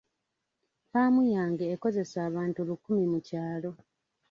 Ffaamu yange ekozesa abantu lukumi mu kyalo.